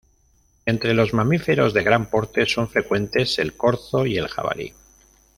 Entre los mamíferos de gran porte, son frecuentes el corzo y el jabalí.